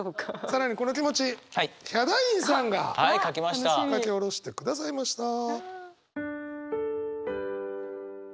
更にこの気持ちヒャダインさんが書き下ろしてくださいました。